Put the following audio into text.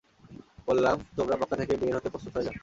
বললাম, তোমরা মক্কা থেকে বের হতে প্রস্তুত হয়ে যাও।